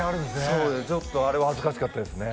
そうちょっとあれは恥ずかしかったですね